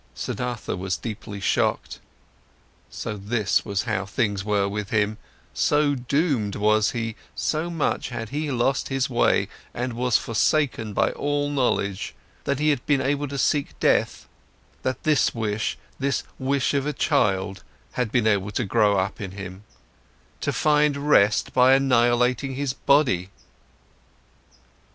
Siddhartha was deeply shocked. So this was how things were with him, so doomed was he, so much he had lost his way and was forsaken by all knowledge, that he had been able to seek death, that this wish, this wish of a child, had been able to grow in him: to find rest by annihilating his body!